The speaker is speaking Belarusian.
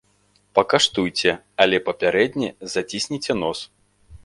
Пакаштуйце, але папярэдне зацісніце нос.